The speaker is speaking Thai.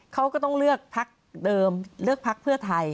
เขาก็ต้องเลือกพักเดิมเลือกพักเพื่อไทย